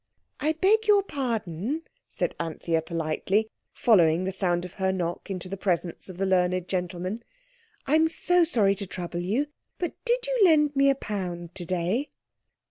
"I beg your pardon," said Anthea politely, following the sound of her knock into the presence of the learned gentleman, "I'm so sorry to trouble you, but did you lend me a pound today?"